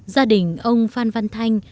gia đình ông phan văn thanh